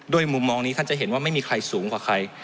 มุมมองนี้ท่านจะเห็นว่าไม่มีใครสูงกว่าใคร